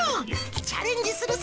チャレンジする姿。